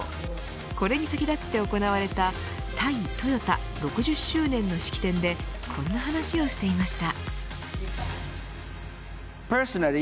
これに先立って行われたタイトヨタ６０周年の式典でこんな話をしていました。